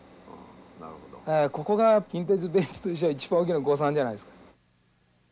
ここが近鉄ベンチとしては一番大きな誤算じゃないですか？